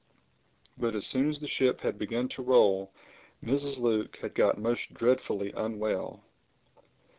But as soon as the ship had begun to roll Mrs. Luke had got most dreadfully unwell.